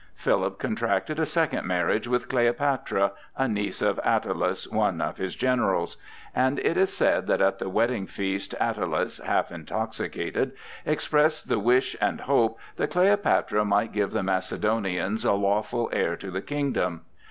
Philip contracted a second marriage with Cleopatra, a niece of Attalus, one of his generals; and it is said that at the wedding feast Attalus, half intoxicated, expressed the wish and hope that Cleopatra might give the Macedonians a lawful heir to the kingdom.